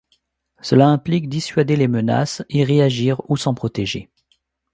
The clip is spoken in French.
Cela implique dissuader les menaces, y réagir ou s'en protéger.